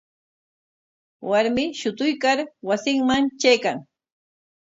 Warmi shutuykar wasinman traykan.